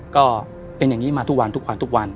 ก็เป็นอย่างนี้มาทุกวันทุกวัน